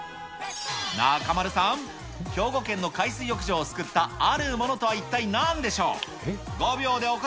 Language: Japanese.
中丸さん、兵庫県の海水浴場を救ったあるものとは一体なんでしょう？